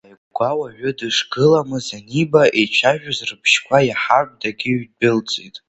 Ааигәа уаҩы дышгыламыз аниба, еицәажәоз рбжьқәа иаҳартә дагьыҩдәылҵит.